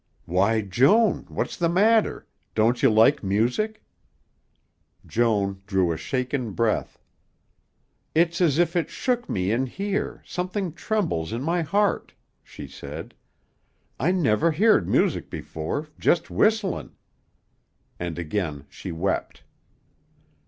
"Why, Joan, what's the matter? Don't you like music?" Joan drew a shaken breath. "It's as if it shook me in here, something trembles in my heart," she said. "I never heerd music before, jest whistlin'." And again she wept.